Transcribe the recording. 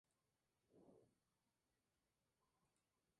En primer lugar estuvo Eva Duarte.